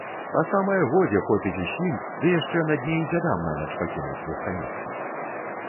Па самае годзе хопіць усім, ды яшчэ на дне й дзядам нанач пакінуць застанецца.